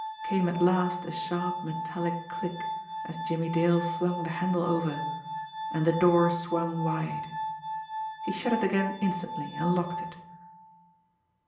Came at last a sharp, metallic click, as Jimmie Dale flung the handle over and the door swung wide. He shut it again instantly and locked it.